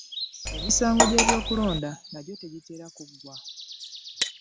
Emisango gy'eby'okulonda nagyo tegitera kuggwa.